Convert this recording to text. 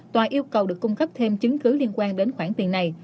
tòa yêu cầu được cung cấp thêm chứng cứ liên quan đến khoản tiền này